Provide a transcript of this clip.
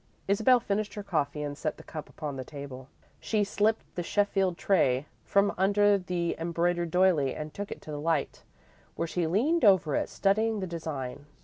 Isabel finished her coffee and set the cup upon the table. She slipped the Sheffield tray from under the embroidered doily and took it to the light, where she leaned over it, studying the design.